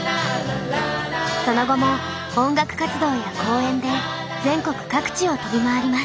その後も音楽活動や講演で全国各地を飛び回ります。